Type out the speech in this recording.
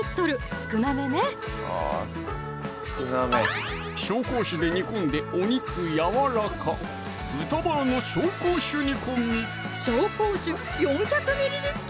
少なめね紹興酒で煮込んでお肉やわらか紹興酒４００ｍｌ！